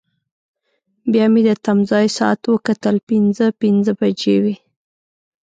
بیا مې د تمځای ساعت وکتل، پنځه پنځه بجې وې.